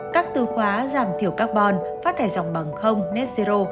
các từ khóa giảm thiểu carbon phát thải dòng bằng không net zero